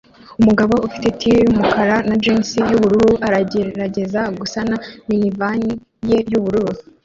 Umugabo ufite tee yumukara na jeans yubururu aragerageza gusana minivani ye yubururu